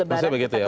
maksudnya begitu ya